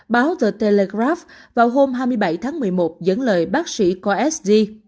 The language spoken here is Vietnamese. báo the telegraph vào hôm hai mươi bảy tháng một mươi một dẫn lời bác sĩ khoa s d